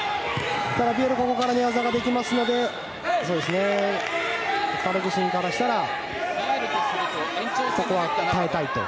ビエルはここから寝技ができますのでカルグニンからしたらここは耐えたいと。